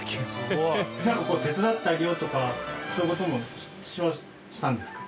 なんか手伝ってあげようとかそういう事もしたんですか？